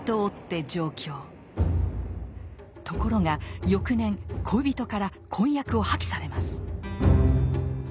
ところが翌年恋人から婚約を破棄されます。